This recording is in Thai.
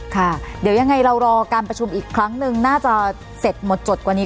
ค่ะเดี๋ยวยังไงเรารอการประชุมอีกครั้งหนึ่งน่าจะเสร็จหมดจดกว่านี้